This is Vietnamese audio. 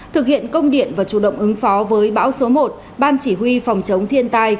thực hiện công điện và chủ động ứng phó với bão số một ban chỉ huy phòng chống thiên tai